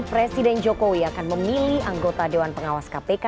presiden jokowi akan memilih anggota dewan pengawas kpk